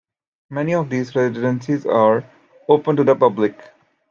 Many of these residences are open to the public.